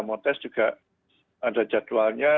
mau tes juga ada jadwalnya